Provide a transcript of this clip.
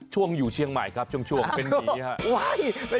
ช่วงอยู่เชียงใหม่ครับช่วงเป็นหมีครับ